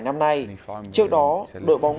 năm nay trước đó đội bóng